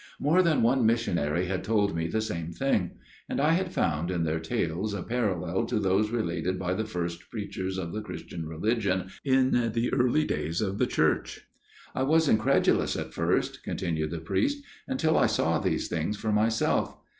More than one missionary had told me the same thing ; and I had found in their tales a parallel to those related by the first preachers of the Christian religion in the early days of the Church. " I was incredulous at first," continued the priest, " until I saw these things for myself.